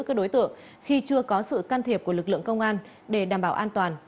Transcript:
các đối tượng khi chưa có sự can thiệp của lực lượng công an để đảm bảo an toàn